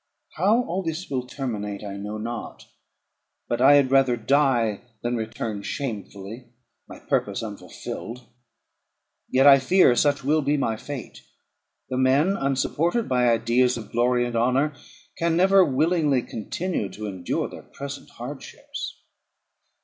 How all this will terminate, I know not; but I had rather die than return shamefully, my purpose unfulfilled. Yet I fear such will be my fate; the men, unsupported by ideas of glory and honour, can never willingly continue to endure their present hardships.